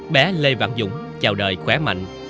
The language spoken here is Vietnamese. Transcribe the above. bé lê vạn dũng chào đời khỏe mạnh